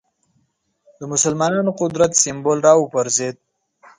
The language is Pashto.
د مسلمانانو قدرت سېمبول راوپرځېد